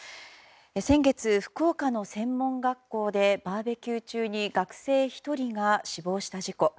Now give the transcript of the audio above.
先月、福岡の専門学校でバーベキュー中に学生１人が死亡した事故。